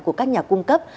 của các nhà cung cấp